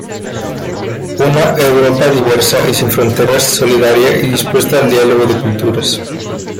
Una Europa diversa y sin fronteras, solidaria y dispuesta al diálogo de culturas.